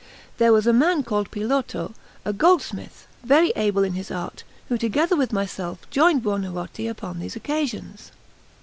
There was a man called Piloto, a goldsmith, very able in his art, who, together with myself, joined Buonarroti upon these occasions.